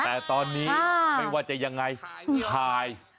แต่ตอนนี้ไม่ว่าจะยังไงถ่าย